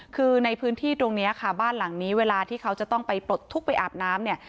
คือในพื้นที่ตรงนี้ค่ะบ้านหลังนี้เวลาที่เขาจะต้องไปปลดทุกข์ไปอาบน้ำเนี่ย